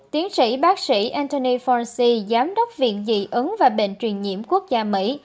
tiến sĩ bác sĩ anthony fonsi giám đốc viện dị ứng và bệnh truyền nhiễm quốc gia mỹ